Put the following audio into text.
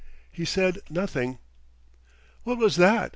He said nothing. "What was that?"